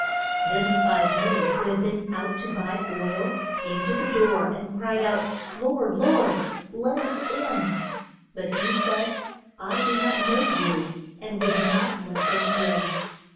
Then the five maids who had been out to buy oil came to the door, and cried out, Lord, Lord, let us in. But he said, I do not know you; and would not let them in.